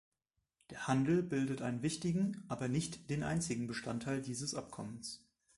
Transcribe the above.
Der Handel bildet einen wichtigen, aber nicht den einzigen Bestandteil dieses Abkommens.